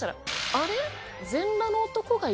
あれ？